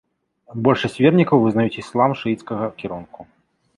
Большасць вернікаў вызнаюць іслам шыіцкага кірунку.